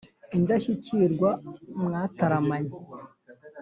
Indashyikirwa mwataramanye